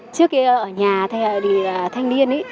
trước kia ở nhà thì là thanh niên ý